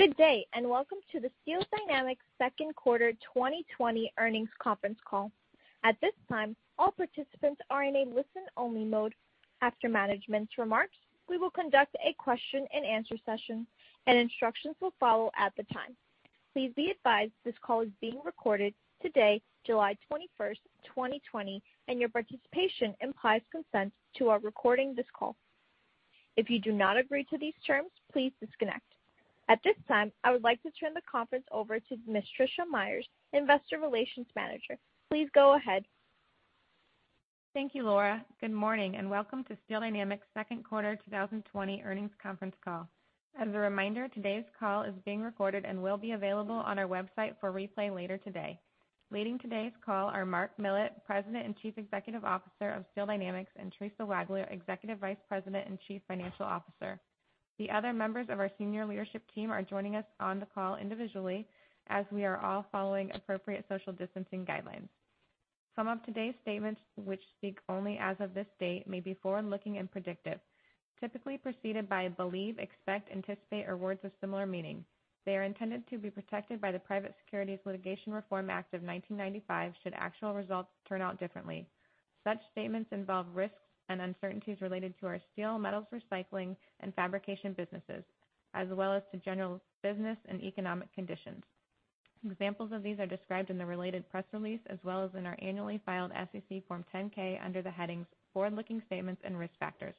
Good day, and welcome to the Steel Dynamics Second Quarter 2020 Earnings Conference Call. At this time, all participants are in a listen-only mode. After management's remarks, we will conduct a question-and-answer session, and instructions will follow at the time. Please be advised this call is being recorded today, July 21st, 2020, and your participation implies consent to our recording this call. If you do not agree to these terms, please disconnect. At this time, I would like to turn the conference over to Ms. Tricia Meyers, Investor Relations Manager. Please go ahead. Thank you, Laura. Good morning, and welcome to Steel Dynamics Second Quarter 2020 Earnings Conference Call. As a reminder, today's call is being recorded and will be available on our website for replay later today. Leading today's call are Mark Millett, President and Chief Executive Officer of Steel Dynamics, and Theresa Wagler, Executive Vice President and Chief Financial Officer. The other members of our senior leadership team are joining us on the call individually, as we are all following appropriate social distancing guidelines. Some of today's statements, which speak only as of this date, may be forward-looking and predictive, typically preceded by believe, expect, anticipate, or words of similar meaning. They are intended to be protected by the Private Securities Litigation Reform Act of 1995 should actual results turn out differently. Such statements involve risks and uncertainties related to our steel, metals recycling, and fabrication businesses, as well as to general business and economic conditions. Examples of these are described in the related press release, as well as in our annually filed SEC Form 10-K under the headings Forward-looking Statements and Risk Factors,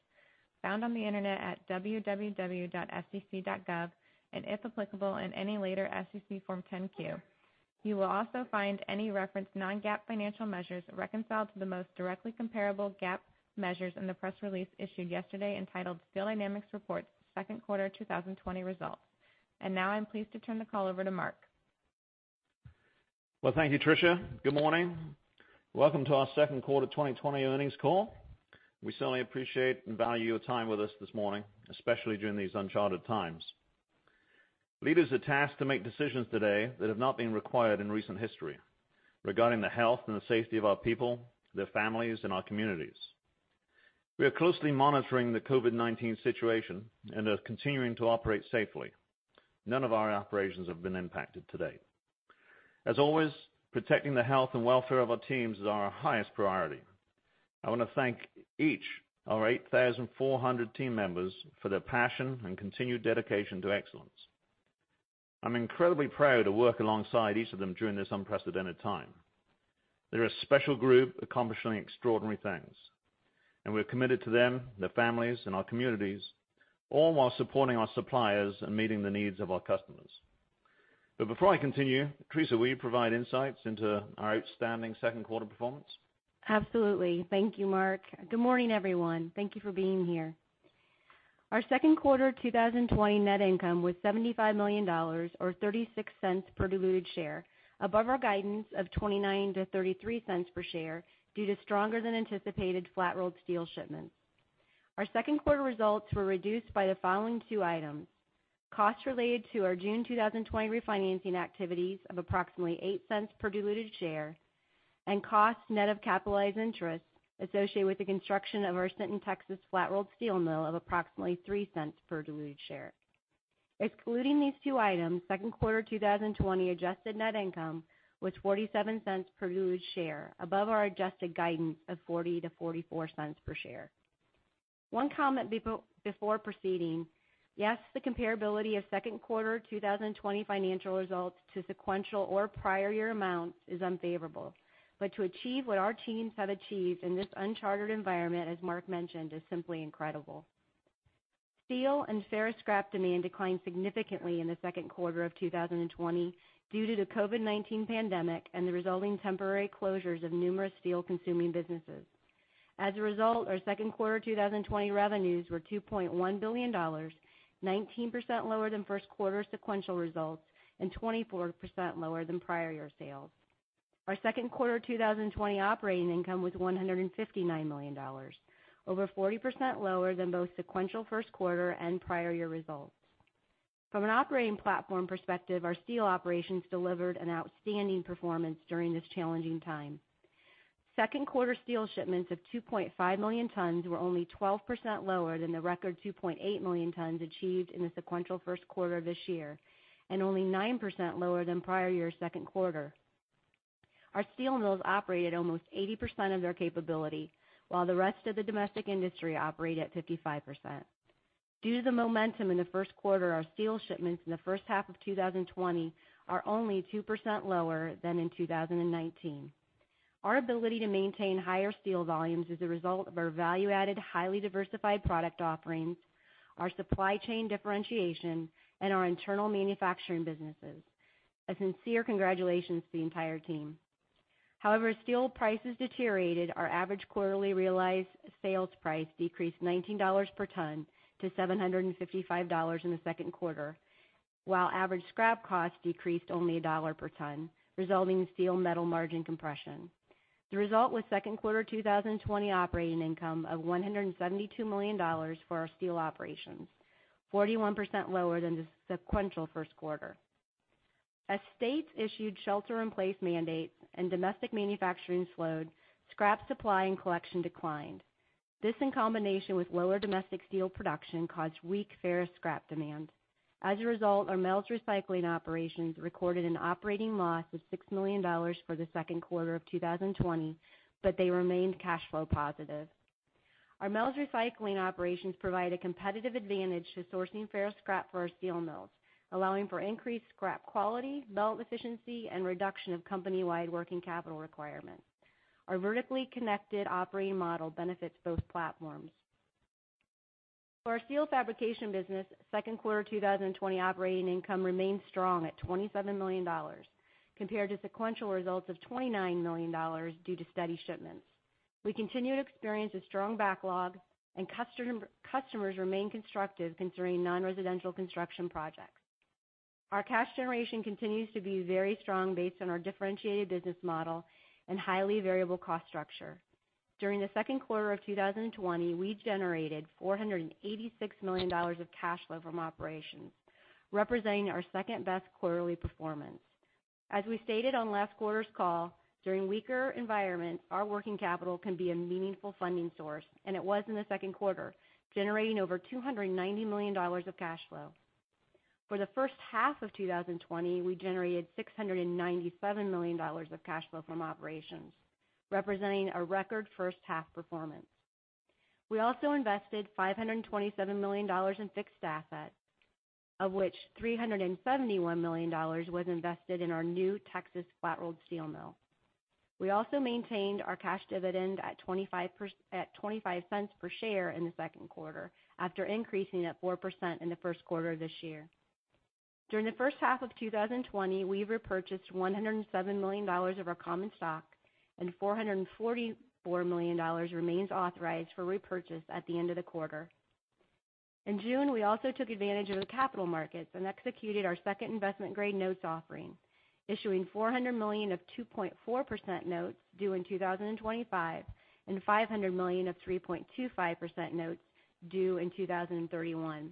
found on the internet at www.sec.gov, and if applicable, in any later SEC Form 10-Q. You will also find any referenced non-GAAP financial measures reconciled to the most directly comparable GAAP measures in the press release issued yesterday entitled Steel Dynamics Reports Second Quarter 2020 Results. And now I'm pleased to turn the call over to Mark. Thank you, Tricia. Good morning. Welcome to our Second Quarter 2020 Earnings Call. We certainly appreciate and value your time with us this morning, especially during these uncharted times. Leaders are tasked to make decisions today that have not been required in recent history regarding the health and the safety of our people, their families, and our communities. We are closely monitoring the COVID-19 situation and are continuing to operate safely. None of our operations have been impacted today. As always, protecting the health and welfare of our teams is our highest priority. I want to thank each of our 8,400 team members for their passion and continued dedication to excellence. I'm incredibly proud to work alongside each of them during this unprecedented time. They're a special group accomplishing extraordinary things, and we're committed to them, their families, and our communities, all while supporting our suppliers and meeting the needs of our customers. But before I continue, Theresa, will you provide insights into our outstanding second quarter performance? Absolutely. Thank you, Mark. Good morning, everyone. Thank you for being here. Our second quarter 2020 net income was $75 million, or $0.36 per diluted share, above our guidance of $0.29-$0.33 per share due to flat roll steel shipments. Our second quarter results were reduced by the following two items: costs related to our June 2020 refinancing activities of approximately $0.08 per diluted share, and costs net of capitalized interest associated with the construction of our Sinton Texas Flat Roll Steel Mill of approximately $0.03 per diluted share. Excluding these two items, second quarter 2020 adjusted net income was $0.47 per diluted share, above our adjusted guidance of $0.40-$0.44 per share. One comment before proceeding: yes, the comparability of second quarter 2020 financial results to sequential or prior-year amounts is unfavorable, but to achieve what our teams have achieved in this uncharted environment, as Mark mentioned, is simply incredible. Steel and ferrous scrap demand declined significantly in the second quarter of 2020 due to the COVID-19 pandemic and the resulting temporary closures of numerous steel-consuming businesses. As a result, our second quarter 2020 revenues were $2.1 billion, 19% lower than first quarter sequential results, and 24% lower than prior-year sales. Our second quarter 2020 operating income was $159 million, over 40% lower than both sequential first quarter and prior-year results. From an operating platform perspective, our steel operations delivered an outstanding performance during this challenging time. Second quarter steel shipments of 2.5 million tons were only 12% lower than the record 2.8 million tons achieved in the sequential first quarter of this year, and only 9% lower than prior-year second quarter. Our steel mills operated at almost 80% of their capability, while the rest of the domestic industry operated at 55%. Due to the momentum in the first quarter, our steel shipments in the first half of 2020 are only 2% lower than in 2019. Our ability to maintain higher steel volumes is a result of our value-added, highly diversified product offerings, our supply chain differentiation, and our internal manufacturing businesses. A sincere congratulations to the entire team. However, as steel prices deteriorated, our average quarterly realized sales price decreased $19 per ton to $755 in the second quarter, while average scrap costs decreased only $1 per ton, resulting in steel metal margin compression. The result was second quarter 2020 operating income of $172 million for our steel operations, 41% lower than the sequential first quarter. As states issued shelter-in-place mandates and domestic manufacturing slowed, scrap supply and collection declined. This, in combination with lower domestic steel production, caused weak ferrous scrap demand. As a result, our metals recycling operations recorded an operating loss of $6 million for the second quarter of 2020, but they remained cash flow positive. Our metals recycling operations provide a competitive advantage to sourcing ferrous scrap for our steel mills, allowing for increased scrap quality, melt efficiency, and reduction of company-wide working capital requirements. Our vertically connected operating model benefits both platforms. For our steel fabrication business, second quarter 2020 operating income remained strong at $27 million, compared to sequential results of $29 million due to steady shipments. We continue to experience a strong backlog, and customers remain constructive considering non-residential construction projects. Our cash generation continues to be very strong based on our differentiated business model and highly variable cost structure. During the second quarter of 2020, we generated $486 million of cash flow from operations, representing our second-best quarterly performance. As we stated on last quarter's call, during weaker environments, our working capital can be a meaningful funding source, and it was in the second quarter, generating over $290 million of cash flow. For the first half of 2020, we generated $697 million of cash flow from operations, representing a record first-half performance. We also invested $527 million in fixed assets, of which $371 million was invested in our new flat roll steel mill. We also maintained our cash dividend at $0.25 per share in the second quarter, after increasing at 4% in the first quarter of this year. During the first half of 2020, we repurchased $107 million of our common stock, and $444 million remains authorized for repurchase at the end of the quarter. In June, we also took advantage of the capital markets and executed our second investment-grade notes offering, issuing $400 million of 2.4% notes due in 2025 and $500 million of 3.25% notes due in 2031.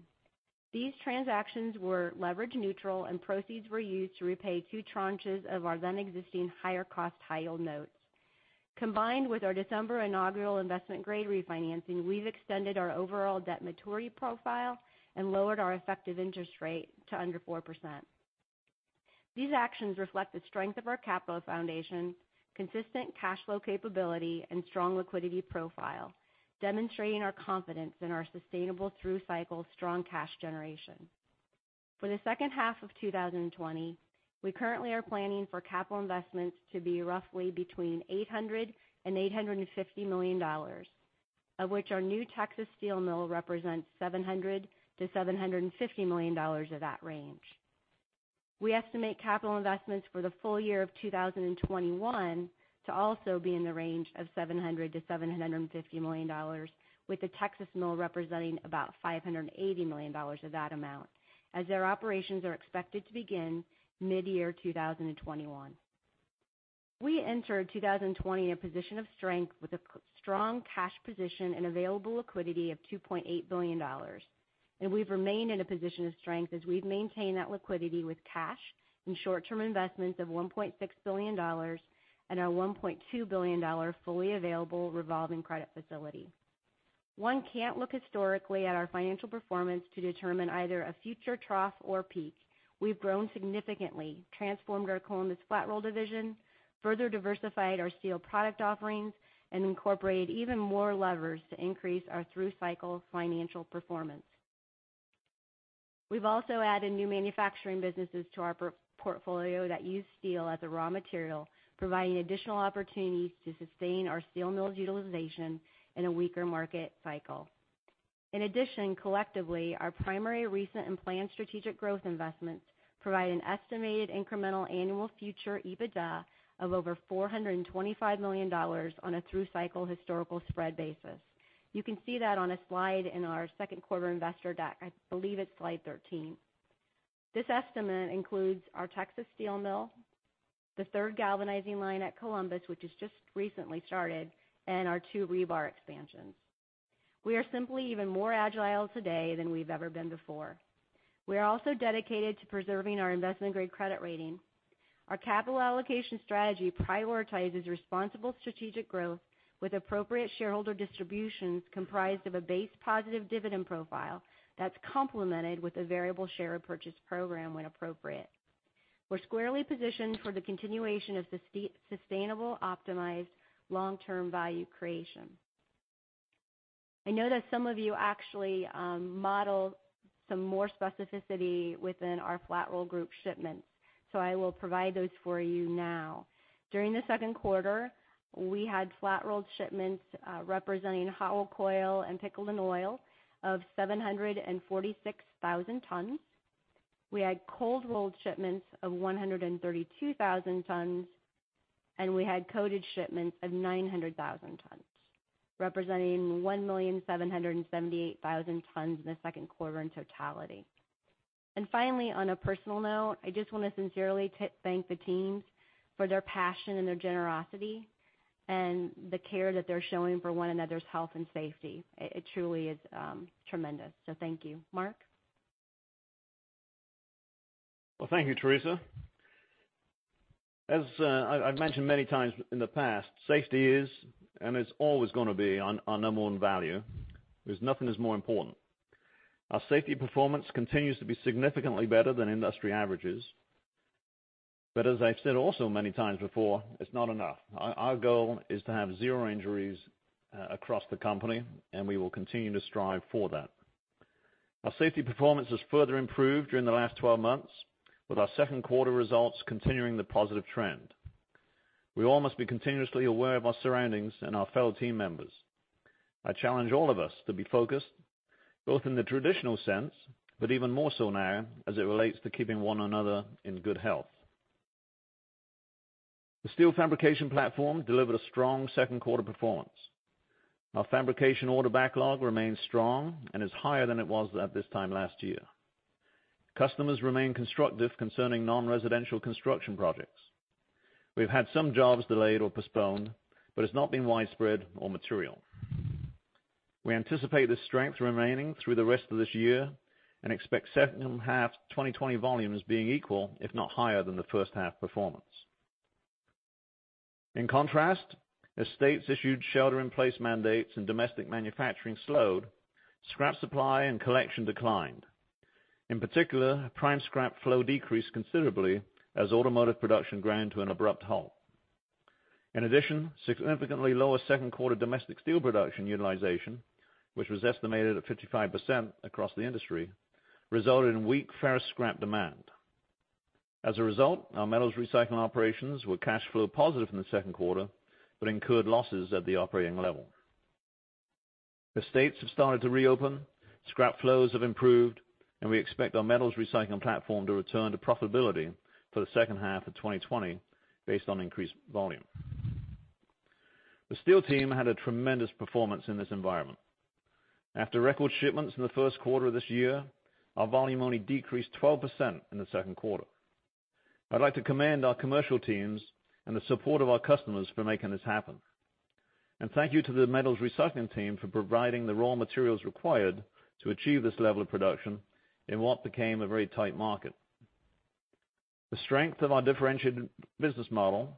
These transactions were leverage-neutral, and proceeds were used to repay two tranches of our then-existing higher-cost high-yield notes. Combined with our December inaugural investment-grade refinancing, we've extended our overall debt maturity profile and lowered our effective interest rate to under 4%. These actions reflect the strength of our capital foundation, consistent cash flow capability, and strong liquidity profile, demonstrating our confidence in our sustainable through-cycle strong cash generation. For the second half of 2020, we currently are planning for capital investments to be roughly between $800 million-$850 million, of which our new Texas steel mill represents $700 million-$750 million of that range. We estimate capital investments for the full year of 2021 to also be in the range of $700 million-$750 million, with the Texas mill representing about $580 million of that amount, as their operations are expected to begin mid-year 2021. We entered 2020 in a position of strength with a strong cash position and available liquidity of $2.8 billion, and we've remained in a position of strength as we've maintained that liquidity with cash and short-term investments of $1.6 billion and our $1.2 billion fully available revolving credit facility. One can't look historically at our financial performance to determine either a future trough or peak. We've grown significantly, transformed our Columbus Flat Roll Division, further diversified our steel product offerings, and incorporated even more levers to increase our through-cycle financial performance. We've also added new manufacturing businesses to our portfolio that use steel as a raw material, providing additional opportunities to sustain our steel mill's utilization in a weaker market cycle. In addition, collectively, our primary recent and planned strategic growth investments provide an estimated incremental annual future EBITDA of over $425 million on a through-cycle historical spread basis. You can see that on a slide in our second quarter investor deck. I believe it's slide 13. This estimate includes our Texas steel mill, the third galvanizing line at Columbus, which has just recently started, and our two rebar expansions. We are simply even more agile today than we've ever been before. We are also dedicated to preserving our investment-grade credit rating. Our capital allocation strategy prioritizes responsible strategic growth with appropriate shareholder distributions comprised of a base positive dividend profile that's complemented with a variable share of purchase program when appropriate. We're squarely positioned for the continuation of sustainable optimized long-term value creation. I know that some of you actually model some more Flat Roll Group shipments, so I will provide those for you now. During the second quarter, we flat roll shipments representing hot-rolled and pickled and oiled of 746,000 tons. We had cold-rolled shipments of 132,000 tons, and we had coated shipments of 900,000 tons, representing 1,778,000 tons in the second quarter in totality. And finally, on a personal note, I just want to sincerely thank the teams for their passion and their generosity and the care that they're showing for one another's health and safety. It truly is tremendous. So thank you. Mark? Well, thank you, Theresa. As I've mentioned many times in the past, safety is, and it's always going to be, our number one value. There's nothing that's more important. Our safety performance continues to be significantly better than industry averages, but as I've said also many times before, it's not enough. Our goal is to have zero injuries across the company, and we will continue to strive for that. Our safety performance has further improved during the last 12 months, with our second quarter results continuing the positive trend. We all must be continuously aware of our surroundings and our fellow team members. I challenge all of us to be focused, both in the traditional sense, but even more so now as it relates to keeping one another in good health. The steel fabrication platform delivered a strong second quarter performance. Our fabrication order backlog remains strong and is higher than it was at this time last year. Customers remain constructive concerning non-residential construction projects. We've had some jobs delayed or postponed, but it's not been widespread or material. We anticipate this strength remaining through the rest of this year and expect second half 2020 volumes being equal, if not higher, than the first half performance. In contrast, as states issued shelter-in-place mandates and domestic manufacturing slowed, scrap supply and collection declined. In particular, prime scrap flow decreased considerably as automotive production ground to an abrupt halt. In addition, significantly lower second quarter domestic steel production utilization, which was estimated at 55% across the industry, resulted in weak ferrous scrap demand. As a result, our metals recycling operations were cash flow positive in the second quarter but incurred losses at the operating level. The states have started to reopen, scrap flows have improved, and we expect our metals recycling platform to return to profitability for the second half of 2020 based on increased volume. The steel team had a tremendous performance in this environment. After record shipments in the first quarter of this year, our volume only decreased 12% in the second quarter. I'd like to commend our commercial teams and the support of our customers for making this happen. And thank you to the metals recycling team for providing the raw materials required to achieve this level of production in what became a very tight market. The strength of our differentiated business model,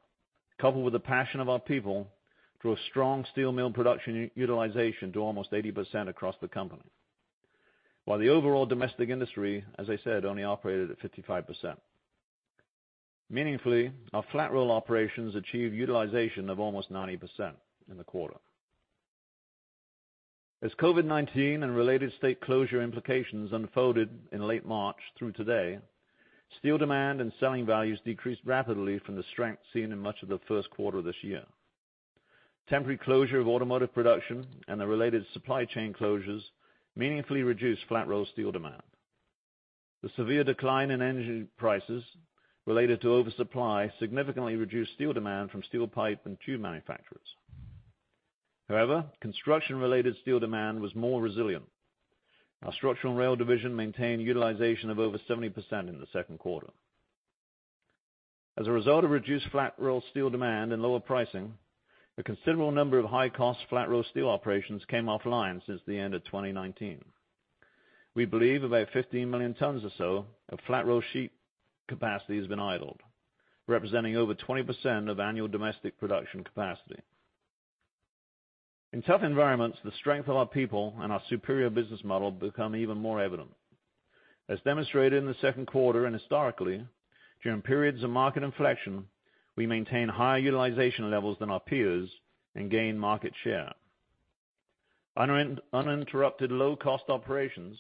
coupled with the passion of our people, drove strong steel mill production utilization to almost 80% across the company, while the overall domestic industry, as I said, only operated at 55%. Meaningfully, flat roll operations achieved utilization of almost 90% in the quarter. As COVID-19 and related state closure implications unfolded in late March through today, steel demand and selling values decreased rapidly from the strength seen in much of the first quarter of this year. Temporary closure of automotive production and the related supply chain closures meaningfully flat roll steel demand. The severe decline in energy prices related to oversupply significantly reduced steel demand from steel pipe and tube manufacturers. However, construction-related steel demand was more resilient. Our Structural and Rail Division maintained utilization of over 70% in the second quarter. As a result of flat roll steel demand and lower pricing, a considerable number of flat roll steel operations came offline since the end of 2019. We believe about 15 million tons or so flat roll sheet capacity has been idled, representing over 20% of annual domestic production capacity. In tough environments, the strength of our people and our superior business model become even more evident. As demonstrated in the second quarter and historically, during periods of market inflection, we maintain higher utilization levels than our peers and gain market share. Uninterrupted low-cost operations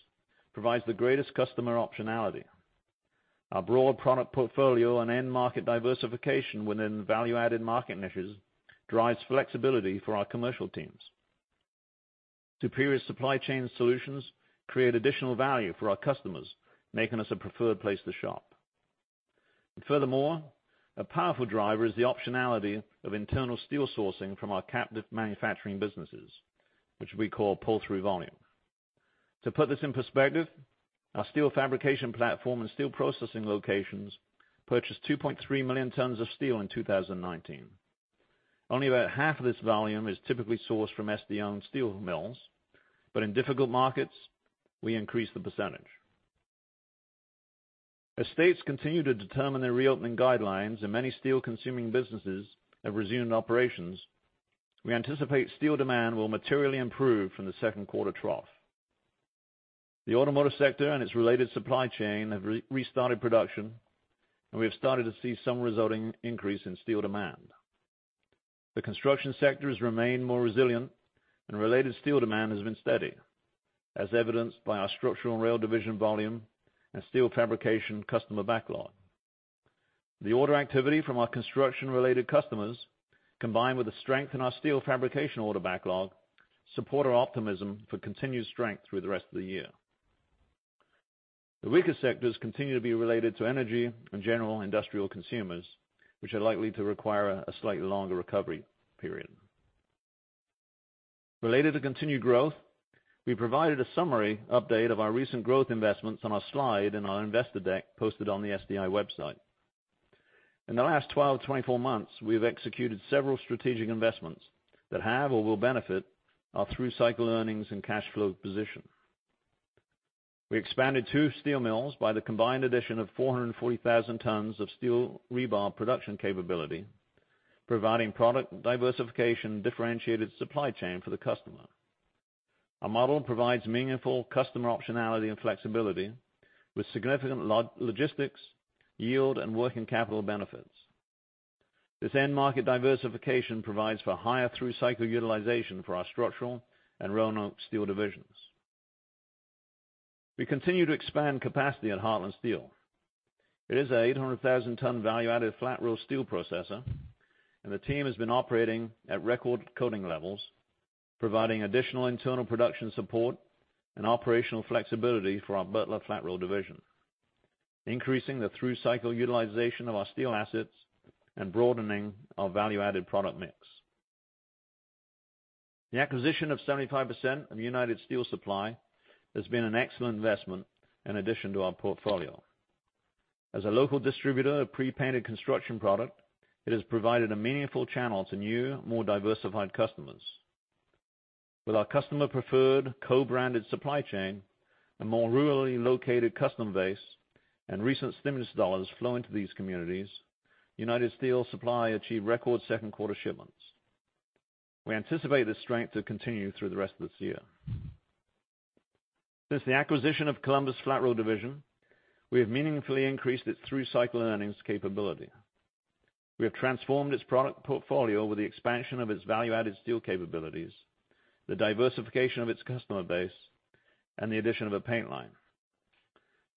provide the greatest customer optionality. Our broad product portfolio and end-market diversification within value-added market niches drives flexibility for our commercial teams. Superior supply chain solutions create additional value for our customers, making us a preferred place to shop. Furthermore, a powerful driver is the optionality of internal steel sourcing from our captive manufacturing businesses, which we call pull-through volume. To put this in perspective, our steel fabrication platform and steel processing locations purchased 2.3 million tons of steel in 2019. Only about half of this volume is typically sourced from SD-owned steel mills, but in difficult markets, we increase the percentage. As states continue to determine their reopening guidelines and many steel-consuming businesses have resumed operations, we anticipate steel demand will materially improve from the second quarter trough. The automotive sector and its related supply chain have restarted production, and we have started to see some resulting increase in steel demand. The construction sector has remained more resilient, and related steel demand has been steady, as evidenced by our Structural and Rail Division volume and steel fabrication customer backlog. The order activity from our construction-related customers, combined with the strength in our steel fabrication order backlog, support our optimism for continued strength through the rest of the year. The weaker sectors continue to be related to energy and general industrial consumers, which are likely to require a slightly longer recovery period. Related to continued growth, we provided a summary update of our recent growth investments on our slide in our investor deck posted on the SDI website. In the last 12-24 months, we've executed several strategic investments that have or will benefit our through-cycle earnings and cash flow position. We expanded two steel mills by the combined addition of 440,000 tons of steel rebar production capability, providing product diversification and differentiated supply chain for the customer. Our model provides meaningful customer optionality and flexibility with significant logistics, yield, and working capital benefits. This end-market diversification provides for higher through-cycle utilization for our structural and rail steel divisions. We continue to expand capacity at Heartland Steel. It is an 800,000-ton flat roll steel processor, and the team has been operating at record coating levels, providing additional internal production support and operational flexibility for our Butler Flat Roll Division, increasing the through-cycle utilization of our steel assets and broadening our value-added product mix. The acquisition of 75% of United Steel Supply has been an excellent investment in addition to our portfolio. As a local distributor of pre-painted construction product, it has provided a meaningful channel to new, more diversified customers. With our customer-preferred co-branded supply chain and more rurally located customer base and recent stimulus dollars flowing to these communities, United Steel Supply achieved record second quarter shipments. We anticipate this strength to continue through the rest of this year. Since the acquisition of Columbus Flat Roll Division, we have meaningfully increased its through-cycle earnings capability. We have transformed its product portfolio with the expansion of its value-added steel capabilities, the diversification of its customer base, and the addition of a paint line,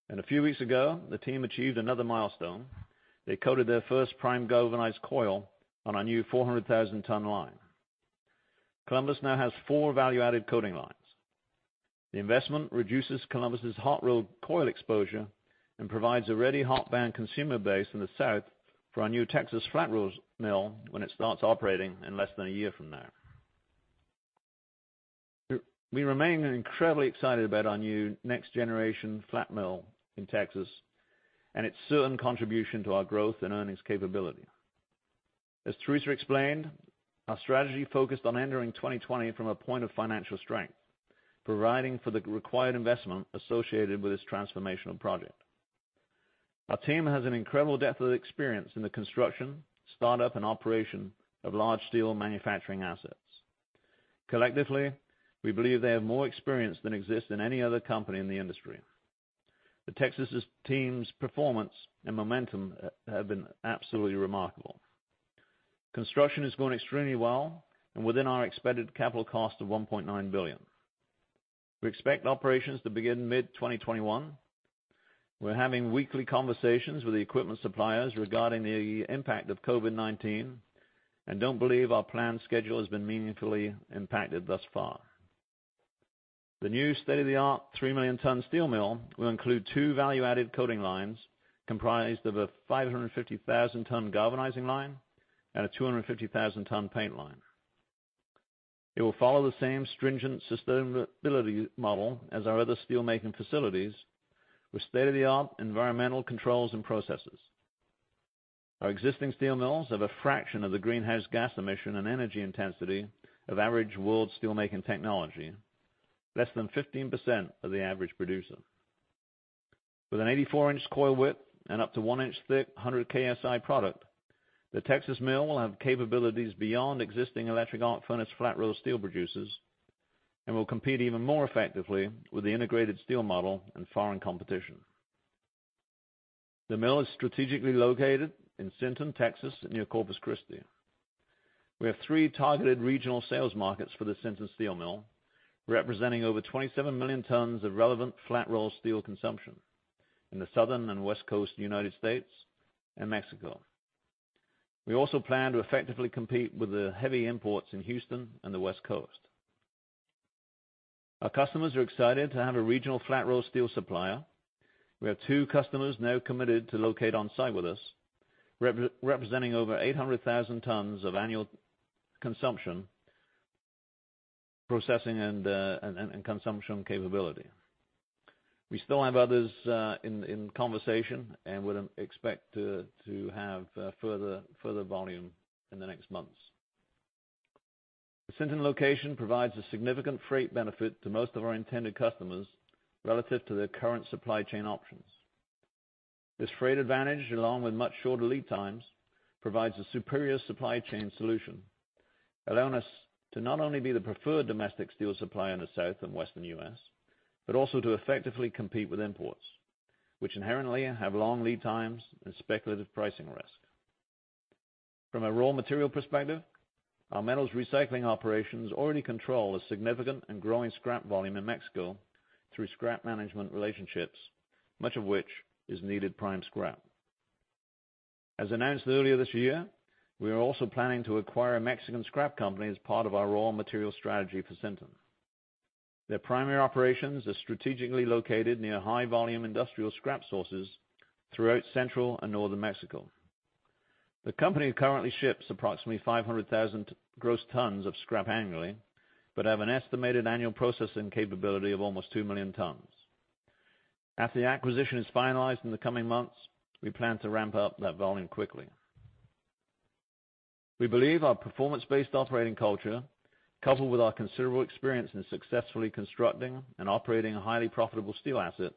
and a few weeks ago, the team achieved another milestone. They coated their first prime galvanized coil on a new 400,000-ton line. Columbus now has four value-added coating lines. The investment reduces Columbus's hot-rolled coil exposure and provides a ready hot-band consumer base in the south for our new flat roll mill when it starts operating in less than a year from now. We remain incredibly excited about our new next-generation flat mill in Texas and its certain contribution to our growth and earnings capability. As Theresa explained, our strategy focused on entering 2020 from a point of financial strength, providing for the required investment associated with this transformational project. Our team has an incredible depth of experience in the construction, startup, and operation of large steel manufacturing assets. Collectively, we believe they have more experience than exists in any other company in the industry. The Texas team's performance and momentum have been absolutely remarkable. Construction has gone extremely well and within our expected capital cost of $1.9 billion. We expect operations to begin mid-2021. We're having weekly conversations with the equipment suppliers regarding the impact of COVID-19 and don't believe our planned schedule has been meaningfully impacted thus far. The new state-of-the-art 3 million-ton steel mill will include two value-added coating lines comprised of a 550,000-ton galvanizing line and a 250,000-ton paint line. It will follow the same stringent sustainability model as our other steelmaking facilities with state-of-the-art environmental controls and processes. Our existing steel mills have a fraction of the greenhouse gas emission and energy intensity of average world steelmaking technology, less than 15% of the average producer. With an 84 in coil width and up to 1 in thick 100 KSI product, the Texas mill will have capabilities beyond existing electric arc flat roll steel producers and will compete even more effectively with the integrated steel model and foreign competition. The mill is strategically located in Sinton, Texas, near Corpus Christi. We have three targeted regional sales markets for the Sinton Steel Mill, representing over 27 million tons of flat roll steel consumption in the southern and West Coast of the United States and Mexico. We also plan to effectively compete with the heavy imports in Houston and the West Coast. Our customers are excited to have a flat roll steel supplier. We have two customers now committed to locate on-site with us, representing over 800,000 tons of annual consumption, processing, and consumption capability. We still have others in conversation and would expect to have further volume in the next months. The Sinton location provides a significant freight benefit to most of our intended customers relative to their current supply chain options. This freight advantage, along with much shorter lead times, provides a superior supply chain solution, allowing us to not only be the preferred domestic steel supplier in the south and western U.S., but also to effectively compete with imports, which inherently have long lead times and speculative pricing risk. From a raw material perspective, our metals recycling operations already control a significant and growing scrap volume in Mexico through scrap management relationships, much of which is needed prime scrap. As announced earlier this year, we are also planning to acquire a Mexican scrap company as part of our raw material strategy for Sinton. Their primary operations are strategically located near high-volume industrial scrap sources throughout central and northern Mexico. The company currently ships approximately 500,000 gross tons of scrap annually but have an estimated annual processing capability of almost 2 million tons. As the acquisition is finalized in the coming months, we plan to ramp up that volume quickly. We believe our performance-based operating culture, coupled with our considerable experience in successfully constructing and operating highly profitable steel assets,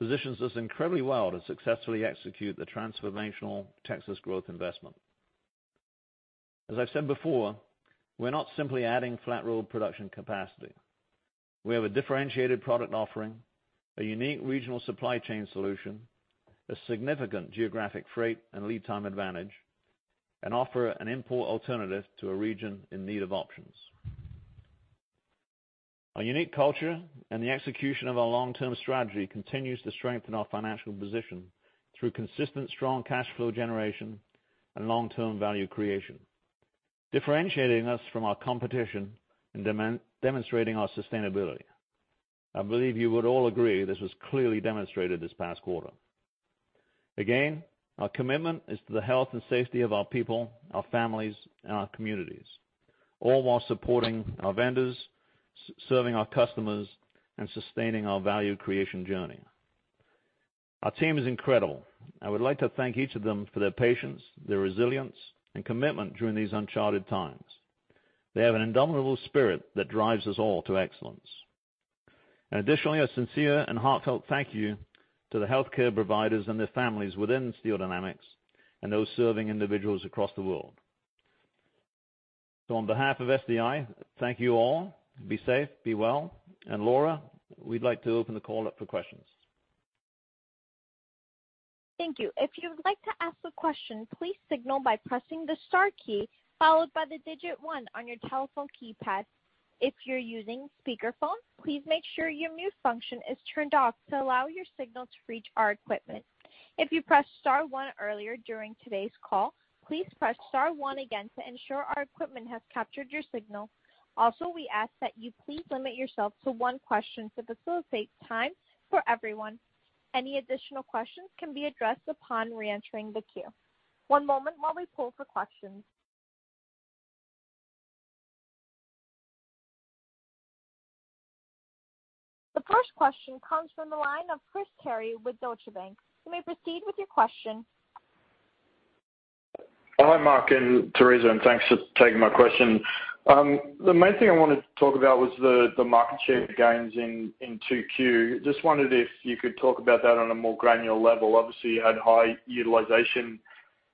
positions us incredibly well to successfully execute the transformational Texas growth investment. As I've said before, we're not simply flat roll production capacity. We have a differentiated product offering, a unique regional supply chain solution, a significant geographic freight and lead time advantage, and offer an import alternative to a region in need of options. Our unique culture and the execution of our long-term strategy continues to strengthen our financial position through consistent, strong cash flow generation and long-term value creation, differentiating us from our competition and demonstrating our sustainability. I believe you would all agree this was clearly demonstrated this past quarter. Again, our commitment is to the health and safety of our people, our families, and our communities, all while supporting our vendors, serving our customers, and sustaining our value creation journey. Our team is incredible. I would like to thank each of them for their patience, their resilience, and commitment during these uncharted times. They have an indomitable spirit that drives us all to excellence. Additionally, a sincere and heartfelt thank you to the healthcare providers and their families within Steel Dynamics and those serving individuals across the world. On behalf of SDI, thank you all. Be safe, be well. Laura, we'd like to open the call up for questions. Thank you. If you would like to ask a question, please signal by pressing the star key followed by the digit one on your telephone keypad. If you're using speakerphone, please make sure your mute function is turned off to allow your signal to reach our equipment. If you pressed star one earlier during today's call, please press star one again to ensure our equipment has captured your signal. Also, we ask that you please limit yourself to one question to facilitate time for everyone. Any additional questions can be addressed upon re-entering the queue. One moment while we pull for questions. The first question comes from the line of Chris Terry with Deutsche Bank. You may proceed with your question. Hello, Mark and Theresa, and thanks for taking my question. The main thing I wanted to talk about was the market share gains in 2Q. Just wondered if you could talk about that on a more granular level. Obviously, you had high utilization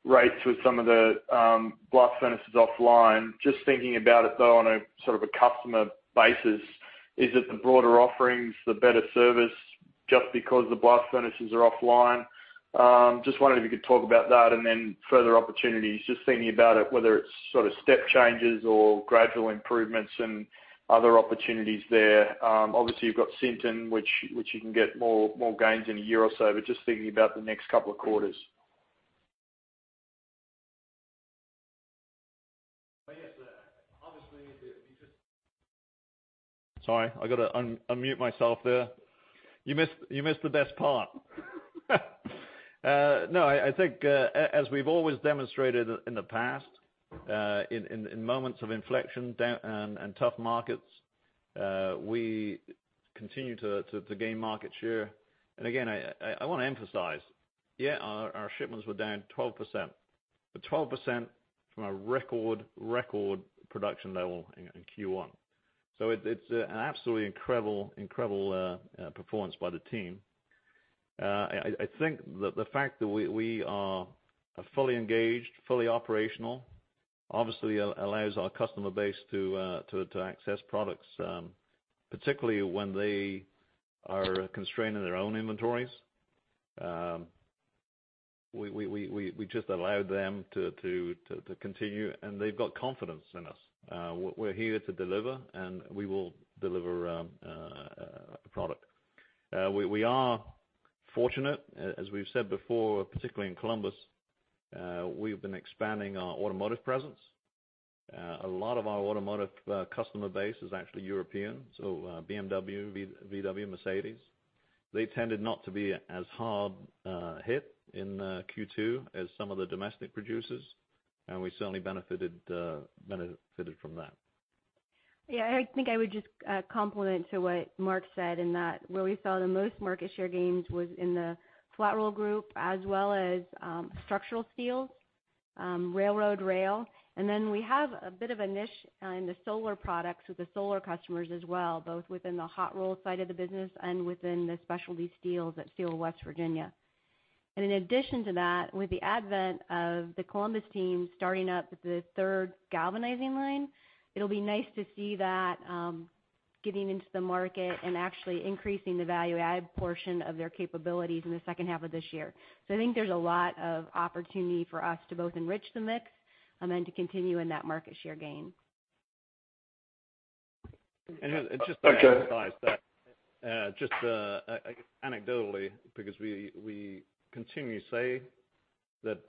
rates with some of the blast furnaces offline. Just thinking about it, though, on a sort of a customer basis, is it the broader offerings, the better service just because the blast furnaces are offline? Just wondering if you could talk about that and then further opportunities. Just thinking about it, whether it's sort of step changes or gradual improvements and other opportunities there. Obviously, you've got Sinton, which you can get more gains in a year or so, but just thinking about the next couple of quarters. Sorry, I got to unmute myself there. You missed the best part. No, I think as we've always demonstrated in the past, in moments of inflection and tough markets, we continue to gain market share. And again, I want to emphasize, yeah, our shipments were down 12%, but 12% from a record, record production level in Q1. So it's an absolutely incredible performance by the team. I think the fact that we are fully engaged, fully operational, obviously allows our customer base to access products, particularly when they are constrained in their own inventories. We just allowed them to continue, and they've got confidence in us. We're here to deliver, and we will deliver a product. We are fortunate, as we've said before, particularly in Columbus. We've been expanding our automotive presence. A lot of our automotive customer base is actually European, so BMW, VW, Mercedes. They tended not to be as hard hit in Q2 as some of the domestic producers, and we certainly benefited from that. Yeah, I think I would just complement to what Mark said in that where we saw the most market share gains Flat Roll Group as well as structural steels, railroad rail. We have a bit of a niche in the solar products with the solar customers as well, both within the hot-rolled side of the business and within the specialty steels at Steel of West Virginia. In addition to that, with the advent of the Columbus team starting up the third galvanizing line, it'll be nice to see that getting into the market and actually increasing the value-added portion of their capabilities in the second half of this year. I think there's a lot of opportunity for us to both enrich the mix and then to continue in that market share gain. And just to emphasize, just anecdotally, because we continue to say that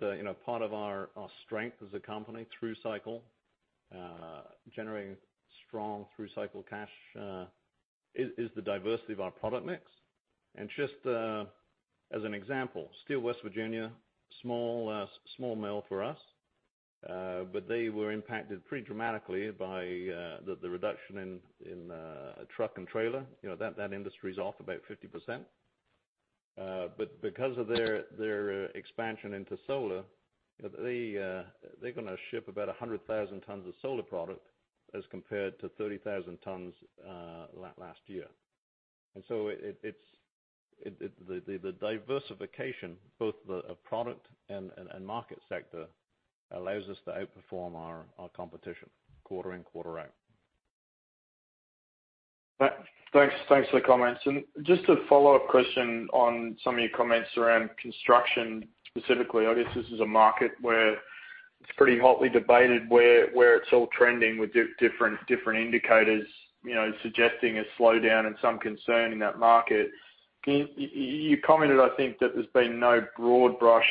part of our strength as a company through cycle, generating strong through cycle cash, is the diversity of our product mix. And just as an example, Steel of West Virginia, small mill for us, but they were impacted pretty dramatically by the reduction in truck and trailer. That industry's off about 50%. But because of their expansion into solar, they're going to ship about 100,000 tons of solar product as compared to 30,000 tons last year. And so the diversification, both of the product and market sector, allows us to outperform our competition quarter in, quarter out. Thanks for the comments. And just a follow-up question on some of your comments around construction specifically. I guess this is a market where it's pretty hotly debated where it's all trending with different indicators suggesting a slowdown and some concern in that market. You commented, I think, that there's been no broad brush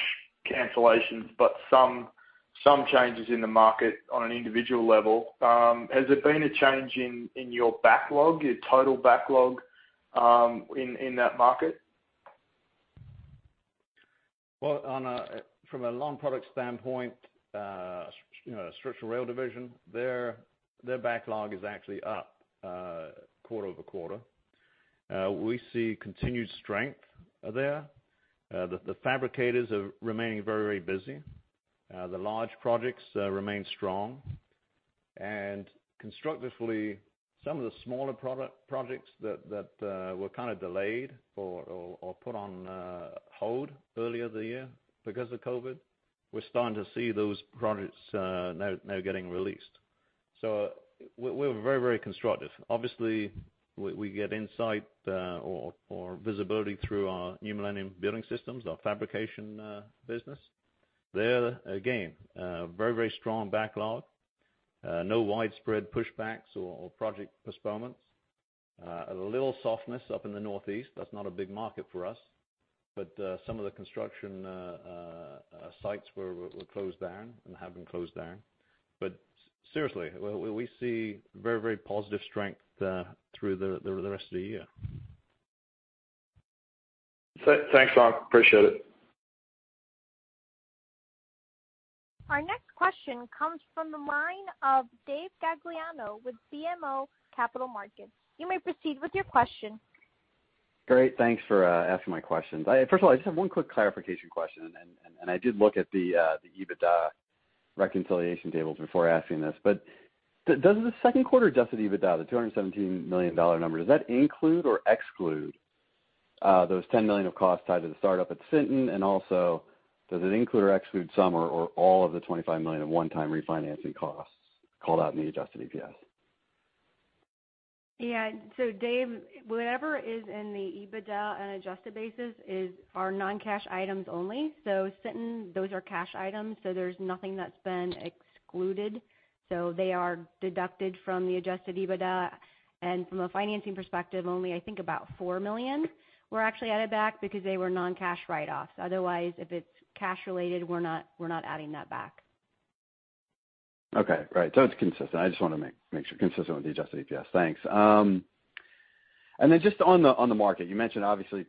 cancellations, but some changes in the market on an individual level. Has there been a change in your backlog, your total backlog in that market? From a line product standpoint, Structural and Rail Division, their backlog is actually up quarter over quarter. We see continued strength there. The fabricators are remaining very, very busy. The large projects remain strong. Constructively, some of the smaller projects that were kind of delayed or put on hold earlier this year because of COVID, we're starting to see those projects now getting released. We're very, very constructive. Obviously, we get insight or visibility through our New Millennium Building Systems, our fabrication business. There, again, very, very strong backlog, no widespread pushbacks or project postponements. A little softness up in the northeast. That's not a big market for us, but some of the construction sites were closed down and have been closed down. Seriously, we see very, very positive strength through the rest of the year. Thanks, Mark. Appreciate it. Our next question comes from the line of Dave Gagliano with BMO Capital Markets. You may proceed with your question. Great. Thanks for asking my question. First of all, I just have one quick clarification question, and I did look at the EBITDA reconciliation tables before asking this. But does the second quarter adjusted EBITDA, the $217 million number, does that include or exclude those $10 million of costs tied to the startup at Sinton? And also, does it include or exclude some or all of the $25 million of one-time refinancing costs called out in the adjusted EPS? Yeah. So, Dave, whatever is in the EBITDA and adjusted basis is our non-cash items only. So, Sinton, those are cash items, so there's nothing that's been excluded. So, they are deducted from the adjusted EBITDA. And from a financing perspective, only, I think, about $4 million were actually added back because they were non-cash write-offs. Otherwise, if it's cash-related, we're not adding that back. Okay. Right. So it's consistent. I just want to make sure consistent with the adjusted EPS. Thanks. And then just on the market, you mentioned obviously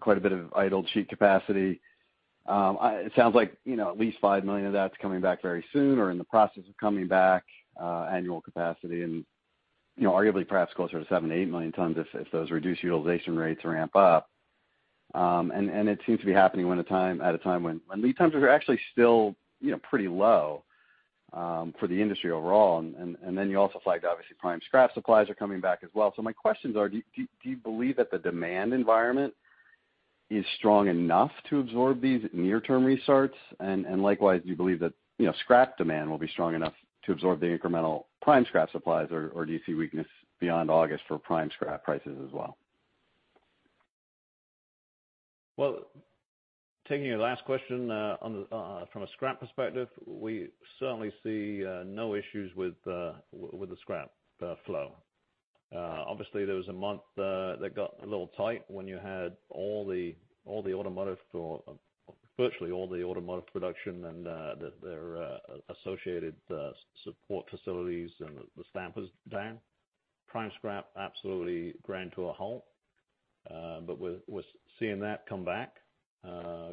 quite a bit of idle cheap capacity. It sounds like at least five million of that's coming back very soon or in the process of coming back, annual capacity, and arguably perhaps closer to seven to eight million tons if those reduced utilization rates ramp up. And it seems to be happening at a time when lead times are actually still pretty low for the industry overall. And then you also flagged obviously prime scrap supplies are coming back as well. So my questions are, do you believe that the demand environment is strong enough to absorb these near-term restarts? And likewise, do you believe that scrap demand will be strong enough to absorb the incremental prime scrap supplies, or do you see weakness beyond August for prime scrap prices as well? Taking your last question from a scrap perspective, we certainly see no issues with the scrap flow. Obviously, there was a month that got a little tight when you had all the automotive, virtually all the automotive production and their associated support facilities and the stampers down. Prime scrap absolutely ground to a halt, but we're seeing that come back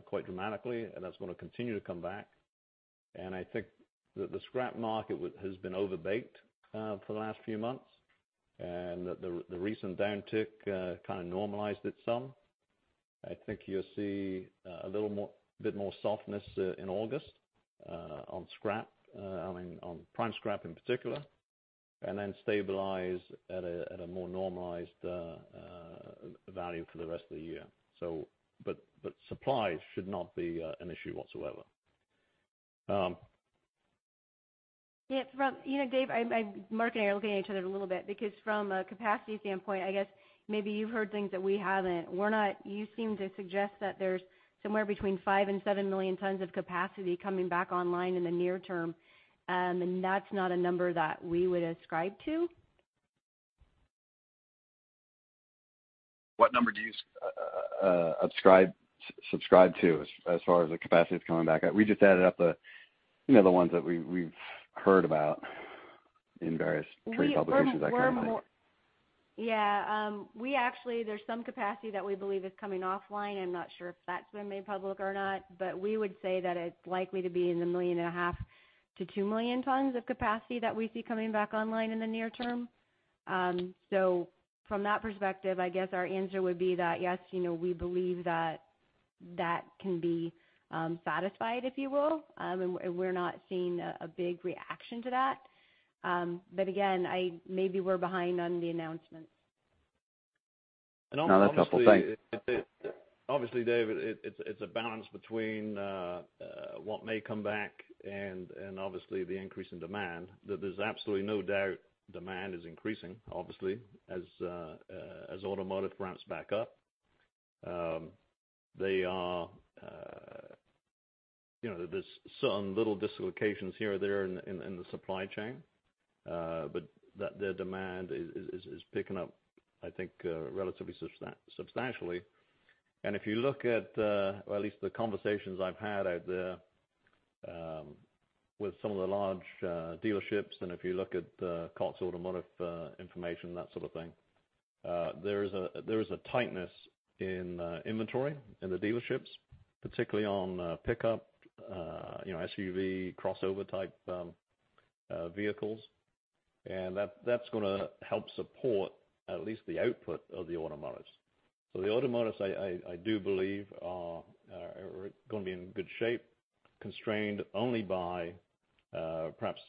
quite dramatically, and that's going to continue to come back. I think that the scrap market has been overbaked for the last few months and that the recent downtick kind of normalized it some. I think you'll see a little bit more softness in August on scrap, I mean, on prime scrap in particular, and then stabilize at a more normalized value for the rest of the year. Supply should not be an issue whatsoever. Yeah. Dave, Mark and I are looking at each other a little bit because from a capacity standpoint, I guess maybe you've heard things that we haven't. You seem to suggest that there's somewhere between five and seven million tons of capacity coming back online in the near term, and that's not a number that we would ascribe to. What number do you subscribe to as far as the capacity that's coming back? We just added up the ones that we've heard about in various trade publications that came out. Yeah. Actually, there's some capacity that we believe is coming offline. I'm not sure if that's been made public or not, but we would say that it's likely to be 1.5 million-2 million tons of capacity that we see coming back online in the near term. So from that perspective, I guess our answer would be that yes, we believe that that can be satisfied, if you will, and we're not seeing a big reaction to that. But again, maybe we're behind on the announcements. Another couple. Obviously, Dave, it's a balance between what may come back and obviously the increase in demand. There's absolutely no doubt demand is increasing, obviously, as automotive ramps back up. There's certain little dislocations here or there in the supply chain, but their demand is picking up, I think, relatively substantially. And if you look at, or at least the conversations I've had out there with some of the large dealerships, and if you look at Cox Automotive information, that sort of thing, there is a tightness in inventory in the dealerships, particularly on pickup, SUV, crossover-type vehicles. And that's going to help support at least the output of the automotives. So the automotives, I do believe, are going to be in good shape, constrained only by perhaps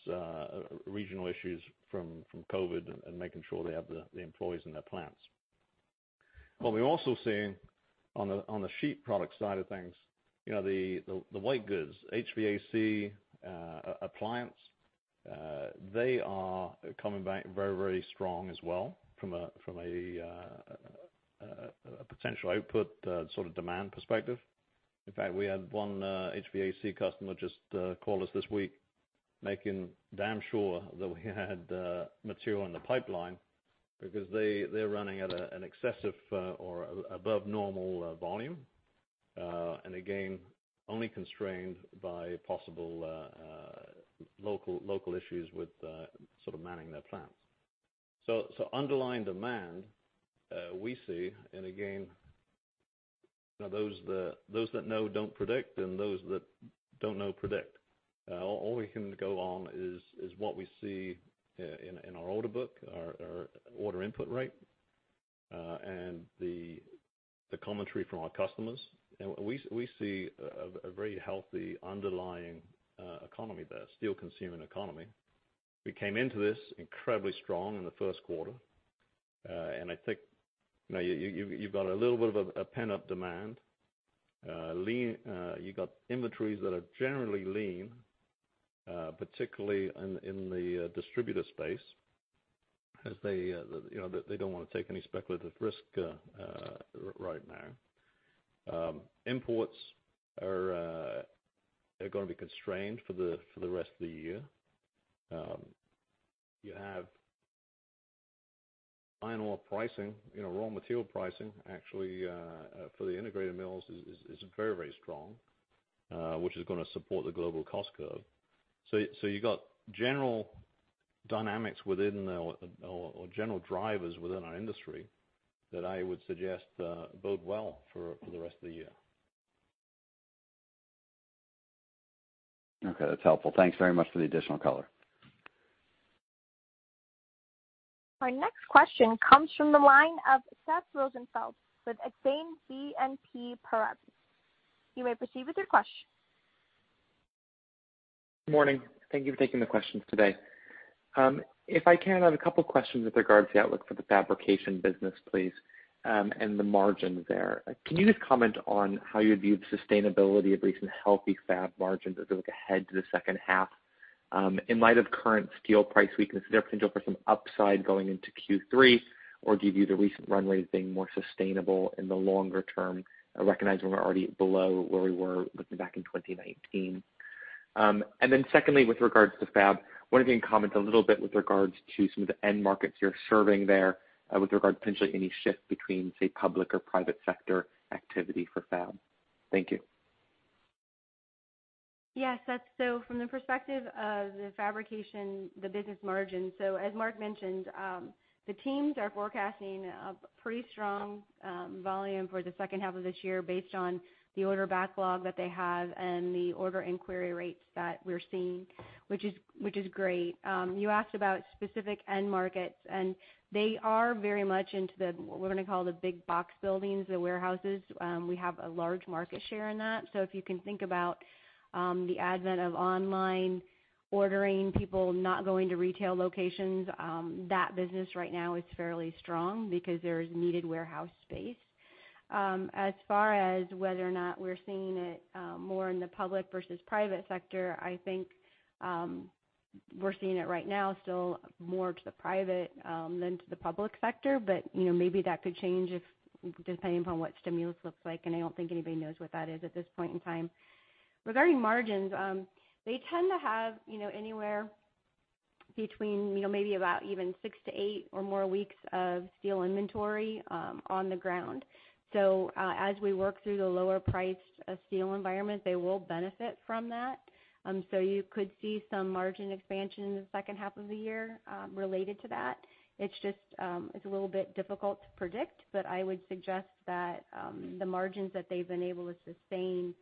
regional issues from COVID and making sure they have the employees in their plants. What we're also seeing on the sheet product side of things, the white goods, HVAC appliance, they are coming back very, very strong as well from a potential output sort of demand perspective. In fact, we had one HVAC customer just call us this week making damn sure that we had material in the pipeline because they're running at an excessive or above normal volume, and again, only constrained by possible local issues with sort of manning their plants. So underlying demand we see, and again, those that know don't predict, and those that don't know predict. All we can go on is what we see in our order book, our order input rate, and the commentary from our customers. We see a very healthy underlying economy there, a steel-consuming economy. We came into this incredibly strong in the first quarter, and I think you've got a little bit of a pent-up demand. You've got inventories that are generally lean, particularly in the distributor space, as they don't want to take any speculative risk right now. Imports are going to be constrained for the rest of the year. You have iron ore pricing, raw material pricing, actually, for the integrated mills is very, very strong, which is going to support the global cost curve. So you've got general dynamics within or general drivers within our industry that I would suggest bode well for the rest of the year. Okay. That's helpful. Thanks very much for the additional color. Our next question comes from the line of Seth Rosenfeld with Exane BNP Paribas. You may proceed with your question. Good morning. Thank you for taking the questions today. If I can, I have a couple of questions with regards to the outlook for the fabrication business, please, and the margins there. Can you just comment on how you view the sustainability of recent healthy fab margins as they look ahead to the second half? In light of current steel price weakness, is there a potential for some upside going into Q3, or do you view the recent run rate as being more sustainable in the longer term, recognizing we're already below where we were looking back in 2019? And then secondly, with regards to fab, what have you commented a little bit with regards to some of the end markets you're serving there with regards to potentially any shift between, say, public or private sector activity for fab? Thank you. Yes. So from the perspective of the fabrication, the business margins, so as Mark mentioned, the teams are forecasting a pretty strong volume for the second half of this year based on the order backlog that they have and the order inquiry rates that we're seeing, which is great. You asked about specific end markets, and they are very much into the what we're going to call the big box buildings, the warehouses. We have a large market share in that. So if you can think about the advent of online ordering, people not going to retail locations, that business right now is fairly strong because there is needed warehouse space. As far as whether or not we're seeing it more in the public versus private sector, I think we're seeing it right now still more to the private than to the public sector, but maybe that could change depending upon what stimulus looks like, and I don't think anybody knows what that is at this point in time. Regarding margins, they tend to have anywhere between maybe about even six to eight or more weeks of steel inventory on the ground. So as we work through the lower-priced steel environment, they will benefit from that. So you could see some margin expansion in the second half of the year related to that. It's a little bit difficult to predict, but I would suggest that the margins that they've been able to sustain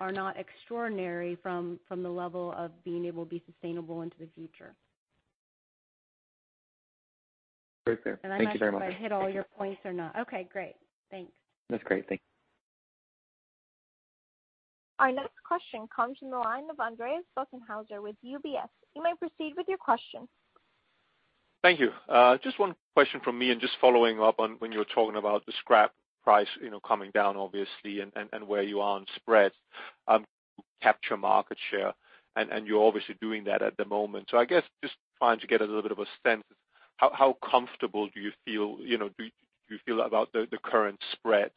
are not extraordinary from the level of being able to be sustainable into the future. Great. Thank you very much. And I'm not sure if I hit all your points or not. Okay. Great. Thanks. That's great. Thank you. Our next question comes from the line of Andreas Bokkenheuser with UBS. You may proceed with your question. Thank you. Just one question from me and just following up on when you were talking about the scrap price coming down, obviously, and where you are on spreads. Capture market share, and you're obviously doing that at the moment. So I guess just trying to get a little bit of a sense of how comfortable do you feel? Do you feel about the current spreads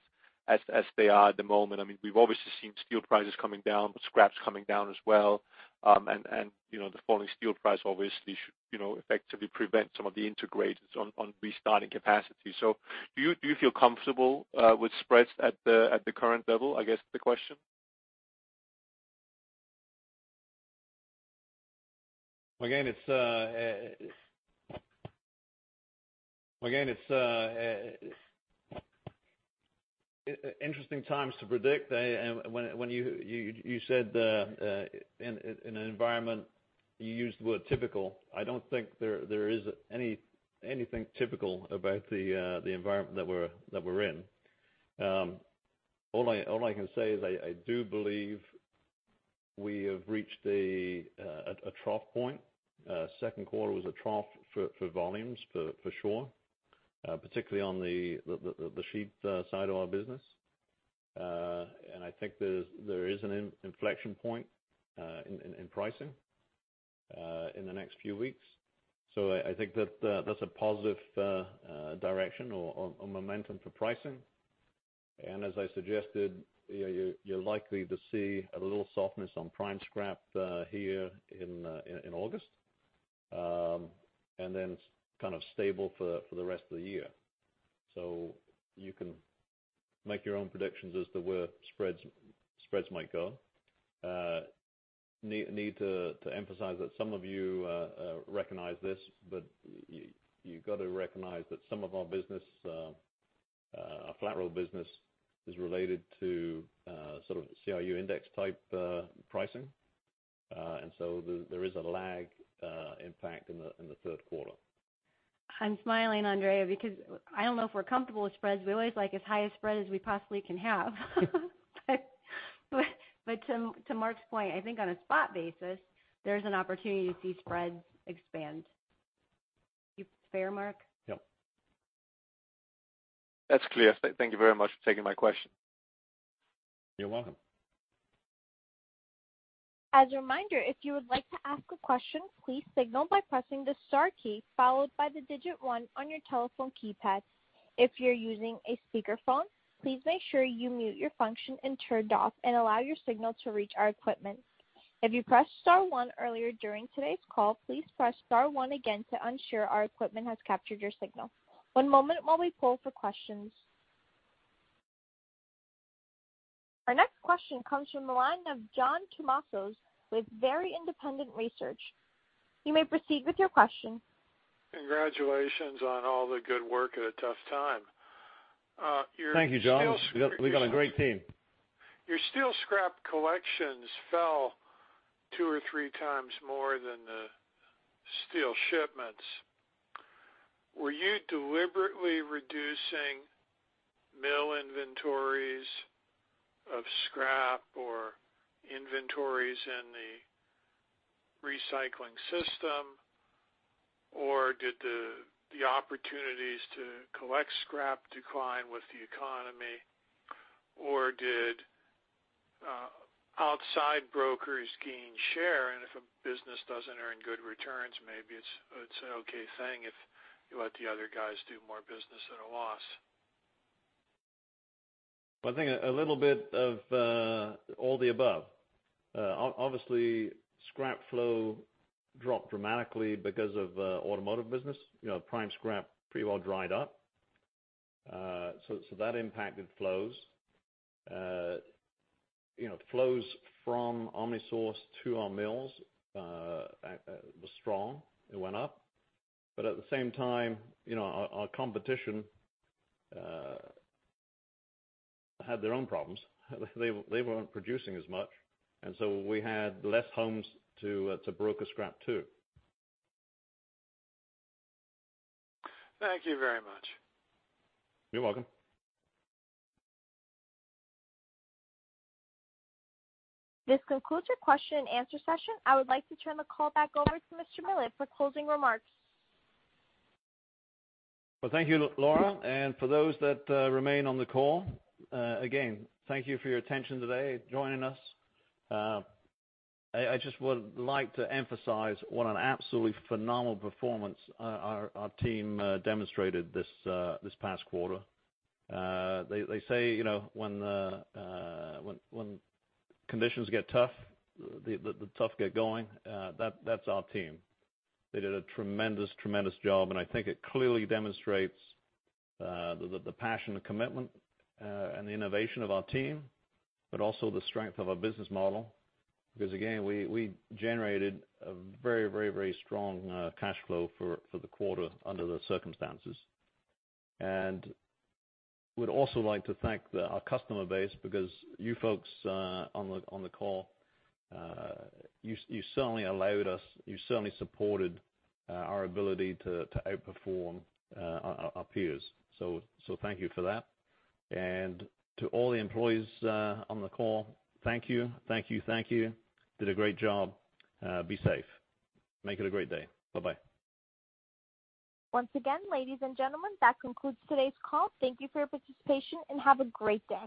as they are at the moment? I mean, we've obviously seen steel prices coming down, scraps coming down as well, and the falling steel price obviously should effectively prevent some of the integrated from restarting capacity. So do you feel comfortable with spreads at the current level, I guess, the question? Again, it's interesting times to predict. When you said in an environment, you used the word typical, I don't think there is anything typical about the environment that we're in. All I can say is I do believe we have reached a trough point. Second quarter was a trough for volumes, for sure, particularly on the sheet side of our business. I think there is an inflection point in pricing in the next few weeks. I think that that's a positive direction or momentum for pricing. As I suggested, you're likely to see a little softness on prime scrap here in August and then kind of stable for the rest of the year. You can make your own predictions as to where spreads might go. Need to emphasize that some of you recognize this, but you've got to recognize that some of our business, our flat roll business, is related to sort of CRU index type pricing. And so there is a lag impact in the third quarter. I'm smiling, Andreas, because I don't know if we're comfortable with spreads. We always like as high a spread as we possibly can have. But to Mark's point, I think on a spot basis, there's an opportunity to see spreads expand. Fair, Mark? Yep. That's clear. Thank you very much for taking my question. You're welcome. As a reminder, if you would like to ask a question, please signal by pressing the star key followed by the digit one on your telephone keypad. If you're using a speakerphone, please make sure your mute function is turned off and allow your signal to reach our equipment. If you pressed star one earlier during today's call, please press star one again to ensure our equipment has captured your signal. One moment while we poll for questions. Our next question comes from the line of John Tumazos with Very Independent Research. You may proceed with your question. Congratulations on all the good work at a tough time. Thank you, John. We've got a great team. Your steel scrap collections fell two or three times more than the steel shipments. Were you deliberately reducing mill inventories of scrap or inventories in the recycling system, or did the opportunities to collect scrap decline with the economy, or did outside brokers gain share? And if a business doesn't earn good returns, maybe it's an okay thing if you let the other guys do more business at a loss. I think a little bit of all the above. Obviously, scrap flow dropped dramatically because of the automotive business. Prime scrap pretty well dried up. So that impacted flows. Flows from OmniSource to our mills were strong. It went up. But at the same time, our competition had their own problems. They weren't producing as much. And so we had less homes to broker scrap to. Thank you very much. You're welcome. This concludes your question and answer session. I would like to turn the call back over to Mr. Millett for closing remarks. Thank you, Laura. For those that remain on the call, again, thank you for your attention today, joining us. I just would like to emphasize what an absolutely phenomenal performance our team demonstrated this past quarter. They say when conditions get tough, the tough get going, that's our team. They did a tremendous, tremendous job. And I think it clearly demonstrates the passion, the commitment, and the innovation of our team, but also the strength of our business model because, again, we generated a very, very, very strong cash flow for the quarter under the circumstances. And we'd also like to thank our customer base because you folks on the call, you certainly allowed us, you certainly supported our ability to outperform our peers. So thank you for that. And to all the employees on the call, thank you. Thank you. Thank you. Did a great job. Be safe. Make it a great day. Bye-bye. Once again, ladies and gentlemen, that concludes today's call. Thank you for your participation and have a great day.